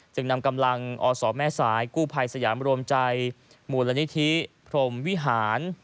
จึงนำกำลังอสแม่สายกู้ภัยสยามรวมใจมูลนิธิพรมวิหาร